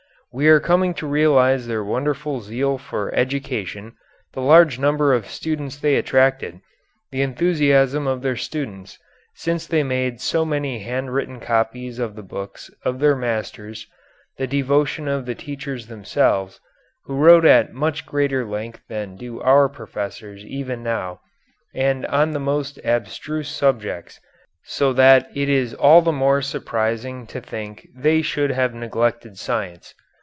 We are coming to recognize their wonderful zeal for education, the large numbers of students they attracted, the enthusiasm of their students, since they made so many handwritten copies of the books of their masters, the devotion of the teachers themselves, who wrote at much greater length than do our professors even now and on the most abstruse subjects, so that it is all the more surprising to think they should have neglected science.